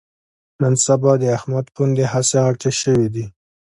نن سبا د احمد پوندې هسې غټې شوې دي